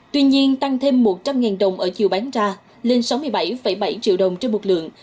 tuy nhiên tăng thêm một trăm linh đồng ở chiều bán ra lên sáu mươi bảy bảy triệu đồng trên một lượng